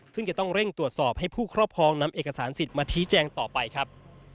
ซึ่งจะต้องเร่งตรวจสอบให้ผู้ครอบครองนำเอกสารสิทธิ์มาชี้แจงต่อไปครับ